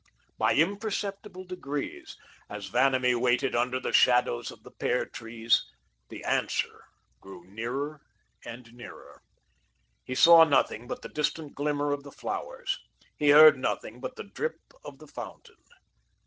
By imperceptible degrees, as Vanamee waited under the shadows of the pear trees, the Answer grew nearer and nearer. He saw nothing but the distant glimmer of the flowers. He heard nothing but the drip of the fountain.